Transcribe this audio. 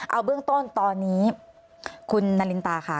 เอาเบื้องต้นตอนนี้คุณนารินตาค่ะ